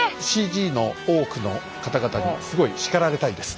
ＣＧの大奥の方々にすごい叱られたいです